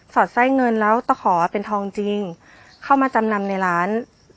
อดไส้เงินแล้วตะขอเป็นทองจริงเข้ามาจำนำในร้าน